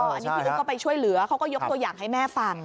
อันนี้พี่อุ๊บก็ไปช่วยเหลือเขาก็ยกตัวอย่างให้แม่ฟัง